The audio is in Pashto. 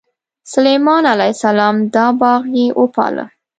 سلیمان علیه السلام دا باغ یې وپاله.